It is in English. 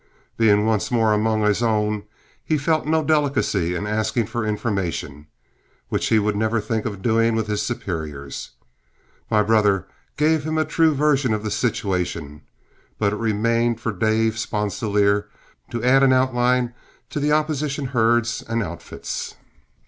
Being once more among his own, he felt no delicacy in asking for information which he would never think of doing with his superiors. My brother gave him a true version of the situation, but it remained for Dave Sponsilier to add an outline of the opposition herds and outfits.